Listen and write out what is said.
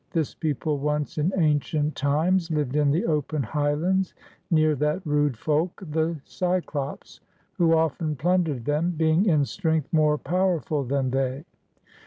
This people once in ancient times lived in the open Highlands, near that rude folk the Cyclops, who often plundered them, being in strength more powerful than they.